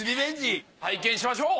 拝見しましょう。